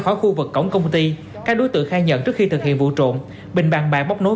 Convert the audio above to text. khỏi khu vực cổng công ty các đối tượng khai nhận trước khi thực hiện vụ trộm bình bàn bạc bốc nối